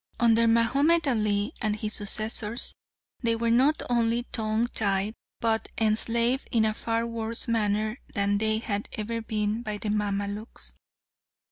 Under Mahomed Ali and his successors they were not only tongue tied, but enslaved in a far worse manner than they had ever been by the Mamaluks.